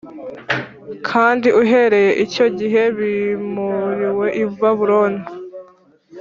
, kandi uhereye icyo gihe bimuriwe i Babuloni